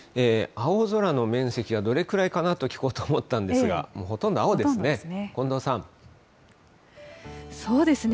青空の面積がどれくらいかなと聞こうと思ったんですが、もうほとんど青ですね。